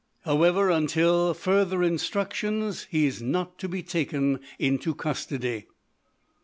However, until further instructions he is not to be taken into custody.